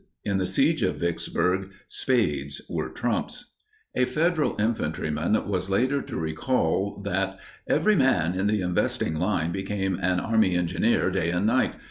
In the siege of Vicksburg "Spades were trumps." A Federal infantryman was later to recall that Every man in the investing line became an army engineer day and night.